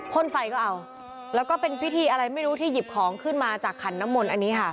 ่นไฟก็เอาแล้วก็เป็นพิธีอะไรไม่รู้ที่หยิบของขึ้นมาจากขันน้ำมนต์อันนี้ค่ะ